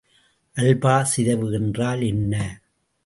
Alpha சிதைவு என்றால் என்ன?